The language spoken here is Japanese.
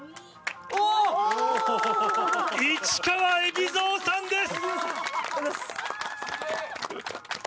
市川海老蔵さんです。